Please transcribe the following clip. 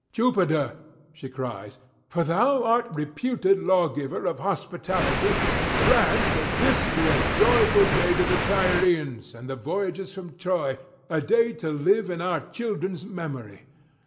'Jupiter,' she cries, 'for thou art reputed lawgiver of hospitality, grant that this be a joyful day to the Tyrians and the voyagers from Troy, a day to live in our children's memory.